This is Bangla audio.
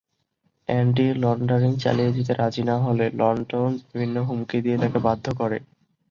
অ্যান্ডি লন্ডারিং চালিয়ে যেতে রাজি না হলে নর্টন বিভিন্ন হুমকি দিয়ে তাকে বাধ্য করে।